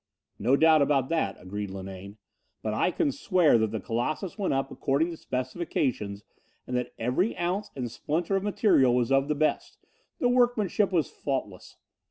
"No doubt about that," agreed Linane, "but I can swear that the Colossus went up according to specifications and that every ounce and splinter of material was of the best. The workmanship was faultless.